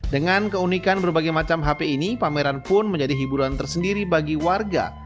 dengan keunikan berbagai macam hp ini pameran pun menjadi hiburan tersendiri bagi warga